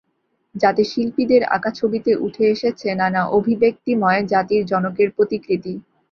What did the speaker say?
যাতে শিল্পীদের আঁকা ছবিতে উঠে এসেছে নানা অভিব্যক্তিময় জাতির জনকের প্রতিকৃতি।